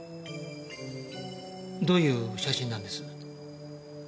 どういう写真なんです？